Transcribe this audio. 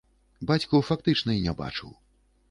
Бацьку фактычна і не бачыў.